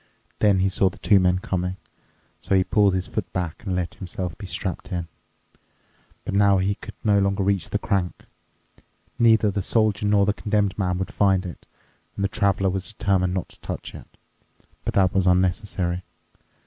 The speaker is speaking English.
Then he saw the two men coming. So he pulled his foot back and let himself be strapped in. But now he could no longer reach the crank. Neither the Soldier nor the Condemned Man would find it, and the Traveler was determined not to touch it. But that was unnecessary.